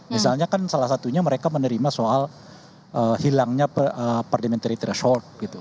misalnya kan salah satunya mereka menerima soal hilangnya parliamentary threshold gitu